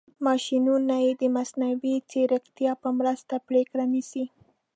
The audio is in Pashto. ماشینونه د مصنوعي ځیرکتیا په مرسته پرېکړې نیسي.